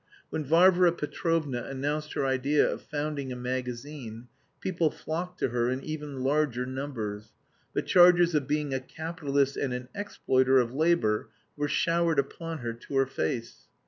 When Varvara Petrovna announced her idea of founding a magazine, people flocked to her in even larger numbers, but charges of being a capitalist and an exploiter of labour were showered upon her to her face.